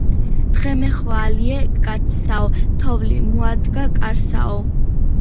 დღემეხვალიე კაცსაო თოვლი მოადგა კარსაო